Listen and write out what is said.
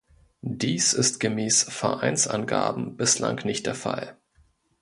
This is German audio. Dies ist gemäß Vereinsangaben bislang nicht der Fall.